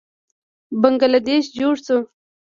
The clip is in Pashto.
بنګله دیش جوړ شو.